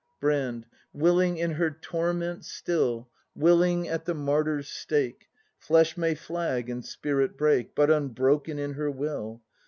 Brand. Willing in her torments still. Willing at the martyr's stake; Flesh may flag and spirit break. But unbroken in her Will.